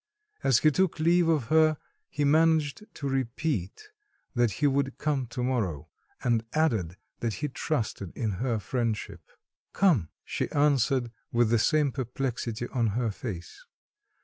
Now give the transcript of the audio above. As he took leave of her, he managed to repeat that he would come to morrow, and added that he trusted in her friendship. "Come," she answered with the same perplexity on her face.